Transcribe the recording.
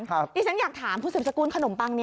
นี่ฉันอยากถามคุณศึกษากรุณขนมปังนี้